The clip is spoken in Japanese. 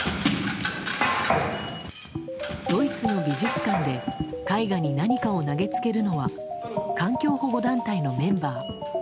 ドイツの美術館で絵画に何かを投げつけるのは環境保護団体のメンバー。